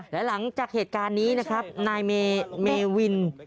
และหลังจากเหตุการณ์นี้นะครับนายเมวิน